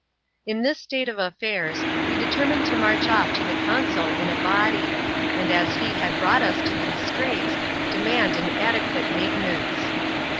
In this state of affairs, we determined to march off to the consul in a body ; and, as he had brought us to these straits, demand an 4idequate maintenance.